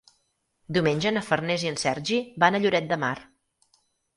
Diumenge na Farners i en Sergi van a Lloret de Mar.